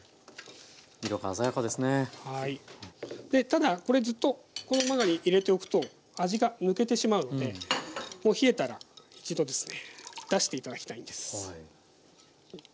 ただこれずっとこの中に入れておくと味が抜けてしまうのでもう冷えたら一度ですね出して頂きたいんです。